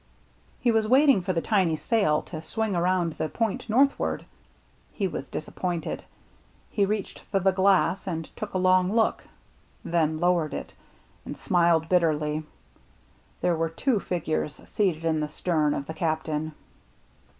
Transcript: He was waiting for the tiny sail to swing around and point northward. He was dis appointed. He reached for the glass and took a long look — then lowered it, and smiled bit terly. There were two figures seated in the stern of the Captain.